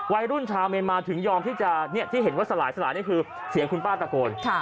วัยรุ่นชาวเมียนมาถึงยอมที่จะที่เห็นว่าสลายสลายนี่คือเสียงคุณป้าตะโกน